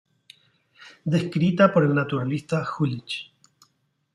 Descrita por el naturalista Jülich.